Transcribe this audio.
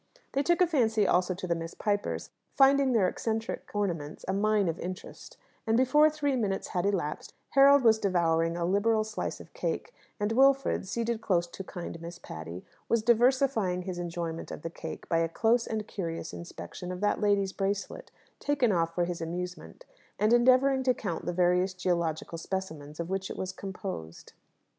They took a fancy also to the Miss Pipers, finding their eccentric ornaments a mine of interest; and before three minutes had elapsed Harold was devouring a liberal slice of cake, and Wilfred, seated close to kind Miss Patty, was diversifying his enjoyment of the cake by a close and curious inspection of that lady's bracelet, taken off for his amusement, and endeavouring to count the various geological specimens of which it was composed.